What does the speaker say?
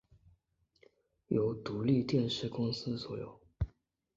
由独立电视公司所有。